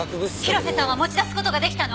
広瀬さんは持ち出す事が出来たの！？